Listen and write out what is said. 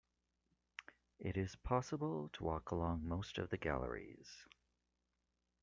It is possible to walk along most of the galleries.